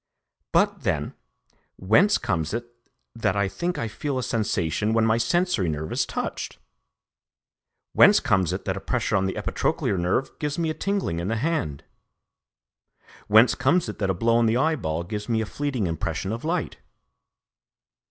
But then, whence comes it that I think I feel a sensation when my sensory nerve is touched? Whence comes it that a pressure on the epitrochlear nerve gives me a tingling in the hand? Whence comes it that a blow on the eyeball gives me a fleeting impression of light?